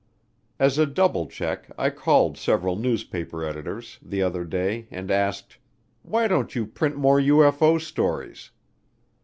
As a double check I called several newspaper editors the other day and asked, "Why don't you print more UFO stories?"